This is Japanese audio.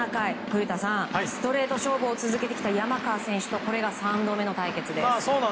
古田さん、ストレート勝負を続けてきた山川選手とこれが３度目の対決です。